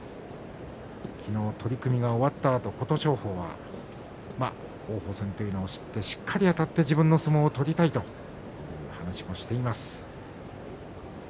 昨日、取組が終わったあと琴勝峰は王鵬戦というのを知ってしっかりあたって自分の相撲を取りたいという話をしています。